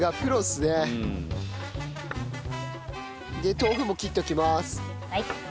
豆腐も切っておきます。